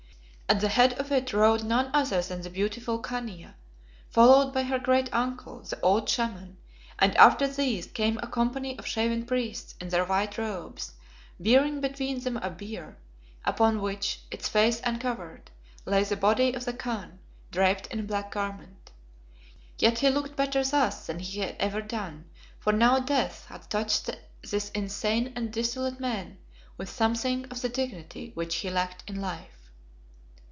At the head of it rode none other than the beautiful Khania, followed by her great uncle, the old Shaman, and after these came a company of shaven priests in their white robes, bearing between them a bier, upon which, its face uncovered, lay the body of the Khan, draped in a black garment. Yet he looked better thus than he had ever done, for now death had touched this insane and dissolute man with something of the dignity which he lacked in life.